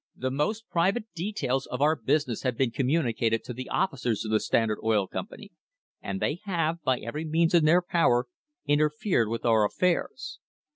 The most private details of our business have been communicated to the officers of the Standard Oil Company, and they have, by every means in their power, interfered with our affairs.